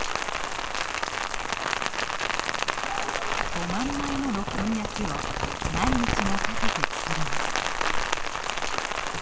５万枚ものこんにゃくを何日もかけて作ります。